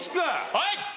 はい！